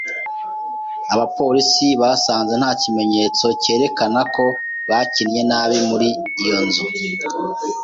Abapolisi basanze nta kimenyetso cyerekana ko bakinnye nabi muri iyo nzu.